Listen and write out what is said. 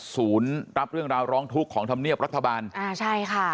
ศูนย์รับเรื่องราวร้องทุกข์ของธรรมเนียบรัฐบาลอ่าใช่ค่ะ